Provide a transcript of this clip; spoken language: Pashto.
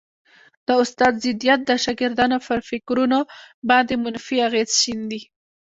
د استاد ضدیت د شاګردانو پر فکرونو باندي منفي اغېز شیندي